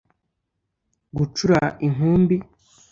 Gucura inkumbi